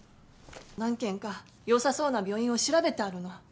何軒かよさそうな病院を調べてあるの。